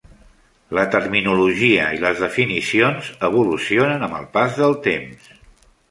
La terminologia i les definicions evolucionen amb el pas del temps.